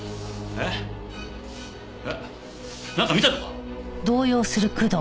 えっなんか見たのか？